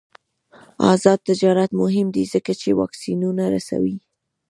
آزاد تجارت مهم دی ځکه چې واکسینونه رسوي.